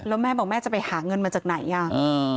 แล้วแม่บอกแม่จะไปหาเงินมาจากไหนอ่ะ